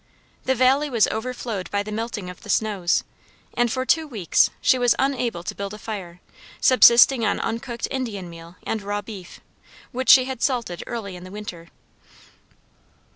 The valley was overflowed by the melting of the snows, and for two weeks she was unable to build a fire, subsisting on uncooked Indian meal and raw beef, which she had salted early in the winter.